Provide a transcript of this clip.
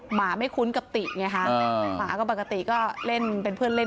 หมาไม่คุ้นกับติ๊ไงค่ะประกาธิก็เป็นเพื่อนเล่น